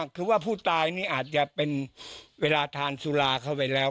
คือว่าผู้ตายนี่อาจจะเป็นเวลาทานสุราเข้าไปแล้ว